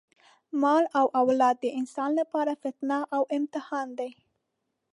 مال او اولاد د انسان لپاره فتنه او امتحان دی.